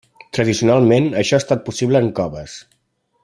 Tradicionalment, això ha estat possible en coves.